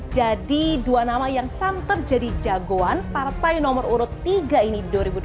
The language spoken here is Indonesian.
jadi dua nama yang samter jadi jagoan partai nomor urut tiga ini dua ribu dua puluh empat